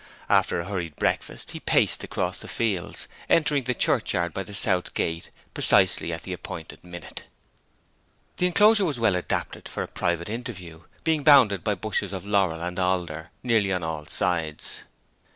After a hurried breakfast he paced across the fields, entering the churchyard by the south gate precisely at the appointed minute. The inclosure was well adapted for a private interview, being bounded by bushes of laurel and alder nearly on all sides.